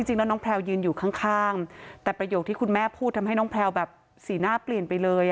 จริงแล้วน้องแพลวยืนอยู่ข้างแต่ประโยคที่คุณแม่พูดทำให้น้องแพลวแบบสีหน้าเปลี่ยนไปเลย